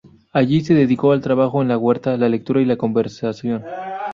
Allí se dedicó al trabajo en la huerta, la lectura y la conversación.